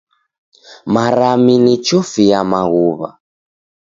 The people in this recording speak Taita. Marami ni chofi ya maghuw'a.